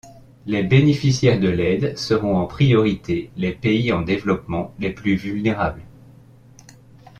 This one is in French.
Les bénéficiaires de l'aide seront en priorité les pays en développement les plus vulnérables.